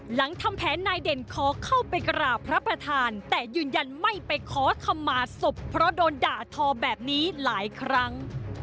หลังทำแผนนายเด่นขอเข้าไปกราบพระประธานแต่ยืนยันไม่ไปขอคำมาศพเพราะโดนด่าทอแบบนี้หลายครั้ง